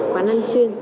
quán ăn chuyên